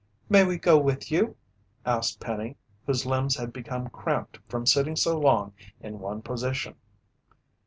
"May we go with you?" asked Penny, whose limbs had become cramped from sitting so long in one position.